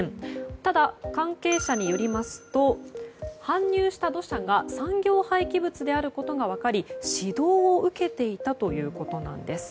ただ、関係者によりますと搬入した土砂が産業廃棄物であることが分かり指導を受けていたということなんです。